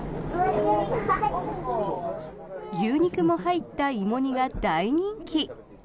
牛肉も入った芋煮が大人気。